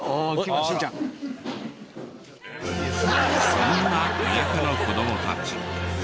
そんな田舎の子供たち。